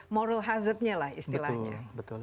moral hazard nya lah istilahnya betul